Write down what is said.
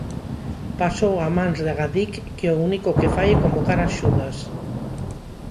Pasou a mans de Agadic que o único que fai é convocar axudas.